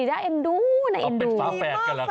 ก็เป็นสาวแฟดครับ